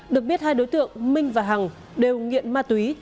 được biết hai đối tượng minh và hằng đều nghiện ma túy